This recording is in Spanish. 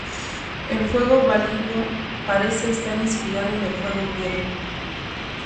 El fuego valyrio parece estar inspirado en el fuego griego.